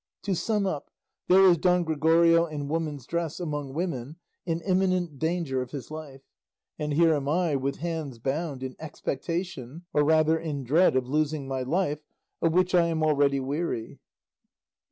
To sum up, there is Don Gregorio in woman's dress, among women, in imminent danger of his life; and here am I, with hands bound, in expectation, or rather in dread, of losing my life, of which I am already weary.